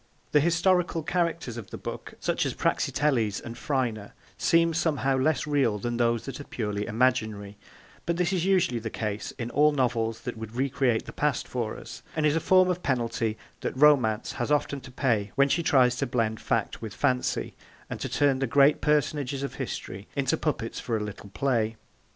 The historical characters of the book, such as Praxiteles and Phryne, seem somehow less real than those that are purely imaginary, but this is usually the case in all novels that would recreate the past for us, and is a form of penalty that Romance has often to pay when she tries to blend fact with fancy, and to turn the great personages of history into puppets for a little play.